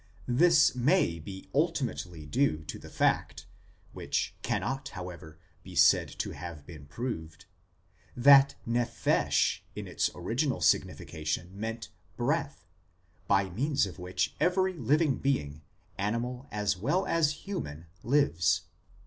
this may be ultimately due to the fact (which cannot, how ever, be said to have been proved) that nephesh in its original signification meant " breath," by means of which every living being, animal as well as human, lives.